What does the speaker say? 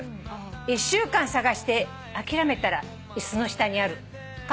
「１週間捜して諦めたら椅子の下にある」